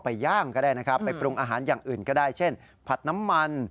ใบอ่อนยอดอ่อนของผักอีซึกนี่